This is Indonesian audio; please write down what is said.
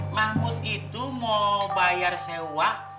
mangkut itu mau bayar sewa